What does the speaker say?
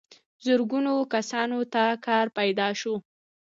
زرګونو کسانو ته کار پیدا شوی.